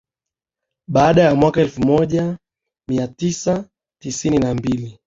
Baada ya mwaka elfu moja mia tisa tisini na mbili